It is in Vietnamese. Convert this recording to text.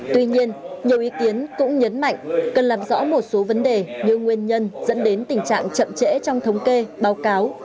tuy nhiên nhiều ý kiến cũng nhấn mạnh cần làm rõ một số vấn đề như nguyên nhân dẫn đến tình trạng chậm trễ trong thống kê báo cáo